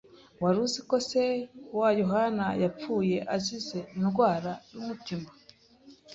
Wari uzi ko se wa Yohani yapfuye azize indwara y'umutima?